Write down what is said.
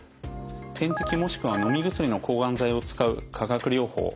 点滴もしくは飲み薬の抗がん剤を使う化学療法。